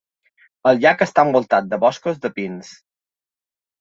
El llac està envoltat de boscos de pins.